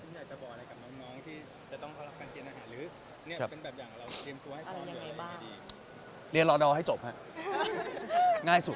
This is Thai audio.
จะบอกอะไรกับน้องที่จะต้องเข้ารับการเตรียนอาหารหรือเป็นแบบอย่างเราเตรียมตัวให้ความรู้